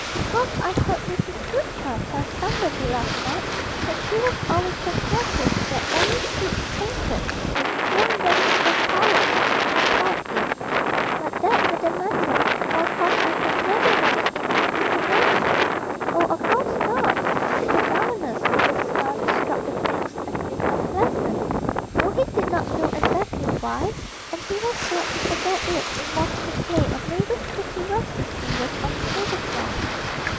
Because I heard Mrs. Goodchild tell somebody last night that she was always so careful to get only sweets painted with "pure vegetable colours," she called it. But that wouldn't matter for of course I shall never want to eat this little man!' 'Oh, of course not,' said the governess, with a smile that struck the prince as being unpleasant though he did not know exactly why, and he was glad to forget it in watching the play of Mabel's pretty restless fingers on the table cloth.